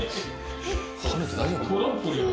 トランポリンが。